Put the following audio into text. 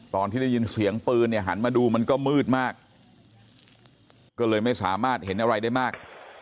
ตอนที่ได้ยินเสียงปืนเนี่ยหันมาดูมันก็มืดมากก็เลยไม่สามารถเห็นอะไรได้มาก